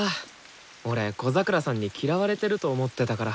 俺小桜さんに嫌われてると思ってたから。